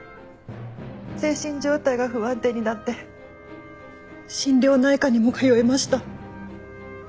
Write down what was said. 精神状態が不安定になって心療内科にも通いました。